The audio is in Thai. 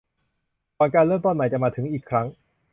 ก่อนการเริ่มต้นใหม่จะมาถึงอีกครั้ง